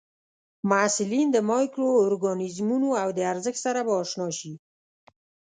محصلین د مایکرو ارګانیزمونو او د ارزښت سره به اشنا شي.